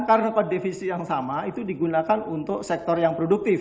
karena defisit yang sama itu digunakan untuk sektor yang produktif